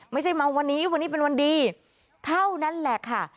ไม่ใช่มาวันนี้วันนี้เป็นวันดีเท่านั้นแหละค่ะ